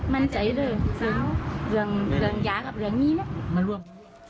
มันร่วม